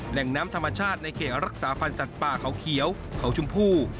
แหล่งน้ำธรรมชาติในเขตรักษาพันธ์สัตว์ป่าเขาเขียวเขาชมพู่